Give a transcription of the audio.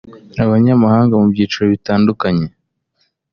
abanyamahanga mu byiciro bitandukanye